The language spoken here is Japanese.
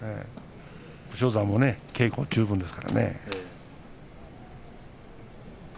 武将山も稽古十分です。